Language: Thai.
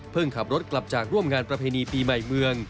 ขับรถกลับจากร่วมงานประเพณีปีใหม่เมือง